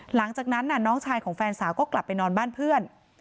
หลังจากนั้นน้องชายของแฟนสาวก็กลับไปนอนบ้านเพื่อน